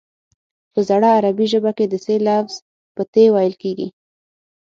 په زړه عربي ژبه کې د ث لفظ په ت ویل کېږي